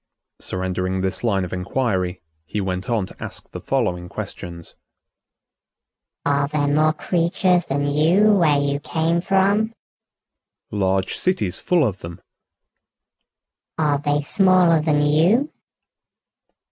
Surrendering this line of inquiry, he went on to ask the following questions: "Are there more creatures than you where you came from?" "Large cities full of them." "Are they smaller than you?"